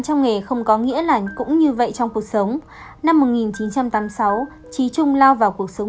trong nghề không có nghĩa là cũng như vậy trong cuộc sống năm một nghìn chín trăm tám mươi sáu trí trung lao vào cuộc sống